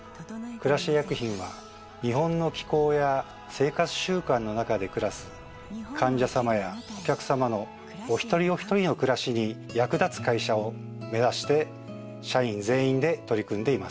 クラシエ薬品は日本の気候や生活習慣の中で暮らす患者様やお客様のお一人おひとりの暮らしに役立つ会社を目指して社員全員で取り組んでいます。